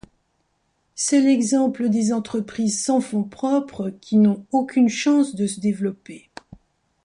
C'est l'exemple des entreprises sans fonds propre, qui n'ont aucune chance de se développer.